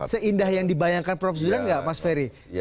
seindah yang dibayangkan prof zidan gak mas ferry